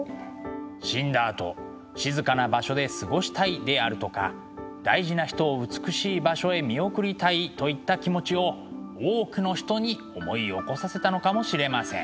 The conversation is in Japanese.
死んだあと静かな場所で過ごしたいであるとか大事な人を美しい場所へ見送りたいといった気持ちを多くの人に思い起こさせたのかもしれません。